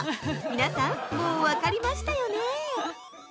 皆さん、もう分かりましたよね？